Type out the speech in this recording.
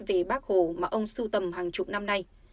về bác hồ mà ông sưu tầm hàng chục năm nay